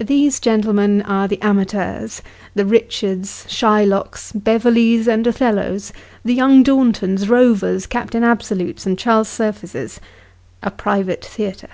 These gentlemen are the amateurs the Richards, Shylocks, Beverleys, and Othcllos the Young Dornlons, Rovers, Captain Absolutes, and Charles Surfaces of a private theatre.